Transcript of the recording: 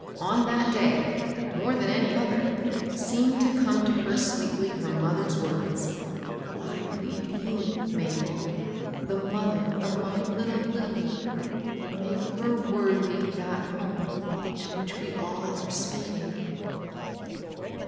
On that day, more than any . other, seemed to come to her sweetly her moth THE SEWING MACHINE. ' 28 er's words, *' I leave you, Mabel, the mother of my little Lilly. Make her worthy that hoime to which we all are speeding."